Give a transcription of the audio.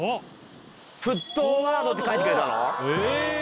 『沸騰ワード』って書いてくれたの？